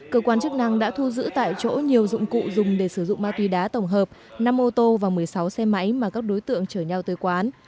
cơ quan chức năng đã thu giữ tại chỗ nhiều dụng cụ dùng để sử dụng ma túy đá tổng hợp năm ô tô và một mươi sáu xe máy mà các đối tượng chở nhau tới quán